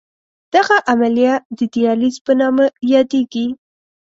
دغه عملیه د دیالیز په نامه یادېږي.